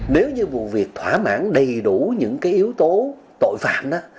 nếu như vụ việc thỏa mãn đầy đủ những yếu tố tội phạm